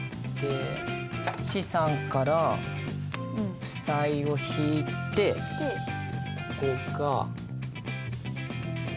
資産から負債を引いてここが。